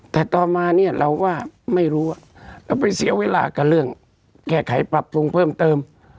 แต่ต่อมาเนี่ยเราก็ไม่รู้เราไปเสียเวลากับเรื่องแก้ไขปรับปรุงเพิ่มเติม